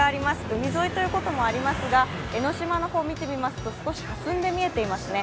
海沿いということもありますが江の島の方を見てみますと少しかすんで見えていますね。